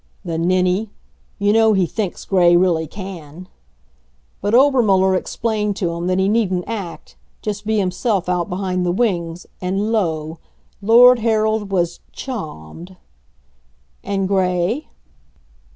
The ninny! You know he thinks Gray really can. But Obermuller explained to him that he needn't act just be himself out behind the wings, and lo! Lord Harold was "chawmed." And Gray?